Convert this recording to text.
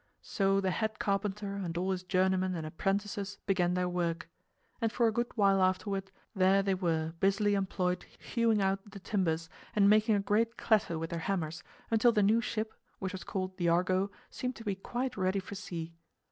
So the head carpenter and all his journeymen and apprentices began their work; and for a good while afterward there they were busily employed hewing out the timbers and making a great clatter with their hammers, until the new ship, which was called the Argo, seemed to be quite ready for sea.